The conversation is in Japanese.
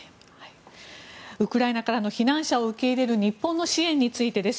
ウクライナからの避難者を受け入れる日本の支援についてです。